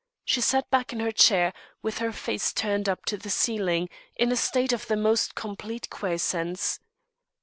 She sat back in her chair, with her face turned up to the ceiling, in a state of the most complete quiescence.